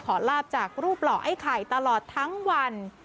ลาบจากรูปหล่อไอ้ไข่ตลอดทั้งวัน